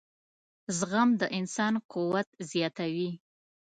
• زغم د انسان قوت زیاتوي.